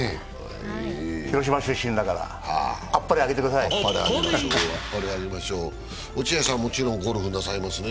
広島出身だから、あっぱれあげてくださいぁ落合さん、もちろんゴルフなさいますね？